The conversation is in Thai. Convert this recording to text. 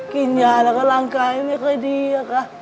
กินยาแล้วก็ร่างกายไม่ค่อยดีอะค่ะ